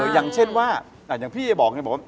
อย่างเช่นว่าอย่างพี่บอก